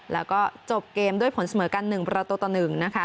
แล้วก็จบเกมด้วยผลเสมอกัน๑ประตูต่อ๑นะคะ